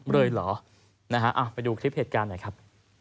เลยเหรอนะฮะไปดูคลิปเหตุการณ์หน่อยครับ